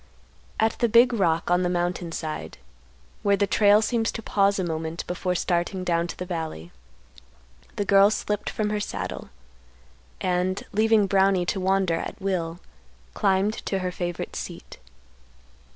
At the big rock on the mountain side, where the trail seems to pause a moment before starting down to the valley, the girl slipped from her saddle, and, leaving Brownie to wander at will, climbed to her favorite seat.